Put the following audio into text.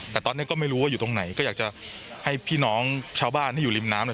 แต่ตอนนี้ก็ไม่รู้ว่าอยู่ตรงไหนก็อยากจะให้พี่น้องชาวบ้านที่อยู่ริมน้ำเนี่ย